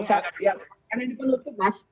karena ini penutup mas